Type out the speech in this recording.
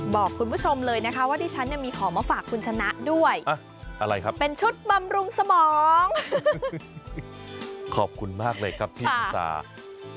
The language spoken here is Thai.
บอกคุณผู้ชมเลยนะคะว่าดิฉันเนี่ยมีของมาฝากคุณชนะด้วยอะไรครับเป็นชุดบำรุงสมองขอบคุณมากเลยครับพี่อุตสา